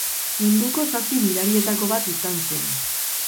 Munduko Zazpi Mirarietako bat izan zen.